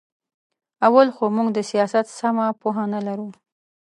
اول خو موږ د سیاست سمه پوهه نه لرو.